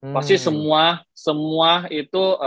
pasti semua semua itu